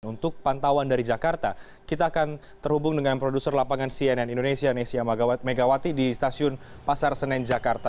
untuk pantauan dari jakarta kita akan terhubung dengan produser lapangan cnn indonesia nesya megawati di stasiun pasar senen jakarta